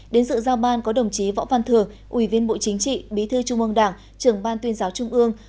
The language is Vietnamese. đến sự giao ban có đồng chí võ văn thường ủy viên bộ chính trị bí thư trung ương đảng trưởng ban tuyên giáo trung ương